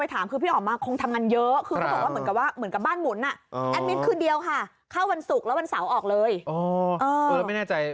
อะไรของสามมันแหละ